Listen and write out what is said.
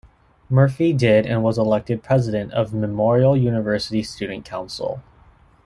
Murphy did and was elected President of Memorial University Student Council.